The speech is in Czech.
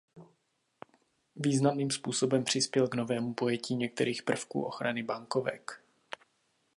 Významným způsobem přispěl k novému pojetí některých prvků ochrany bankovek.